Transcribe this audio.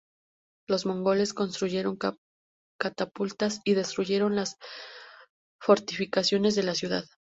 Los mongoles construyeron catapultas y destruyeron las fortificaciones de la ciudad.